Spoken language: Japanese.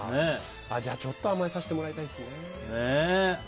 じゃあ、ちょっと甘えさせてもらいたいですね。